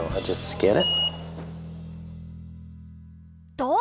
どう？